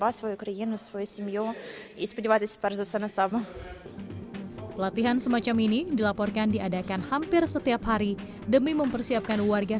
hai latihan semacam ini dilaporkan diadakan hampir setiap hari demi mempersiapkan warga